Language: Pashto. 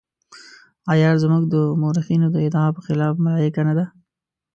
عیار زموږ د مورخینو د ادعا په خلاف ملایکه نه ده.